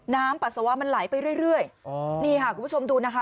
ปัสสาวะมันไหลไปเรื่อยเรื่อยอ๋อนี่ค่ะคุณผู้ชมดูนะคะ